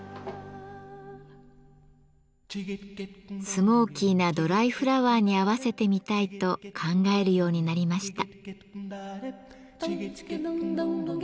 スモーキーなドライフラワーに合わせてみたいと考えるようになりました。